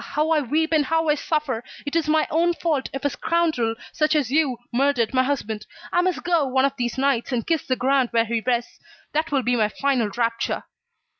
How I weep, and how I suffer! It is my own fault if a scoundrel, such as you, murdered my husband. I must go, one of these nights, and kiss the ground where he rests. That will be my final rapture."